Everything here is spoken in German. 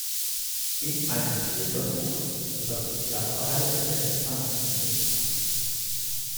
In einem Tierversuch wird das Sozialverhalten der Schimpansen untersucht.